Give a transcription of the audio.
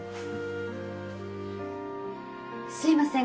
すいません